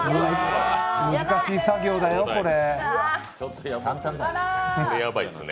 難しい作業だよ、これ。